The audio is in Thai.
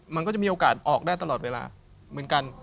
มันก็จะมีโอกาสออกได้ตลอดเวลาเหมือนกัน